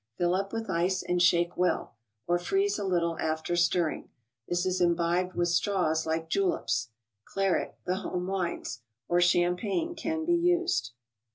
Fill up with ice and shake well; or freeze a little after stirring. This is imbibed with straws like juleps. Claret, the home wines ; or champagne can be used.